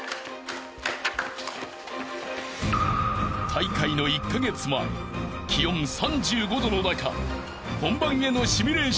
［大会の１カ月前気温３５度の中本番へのシミュレーションを実施］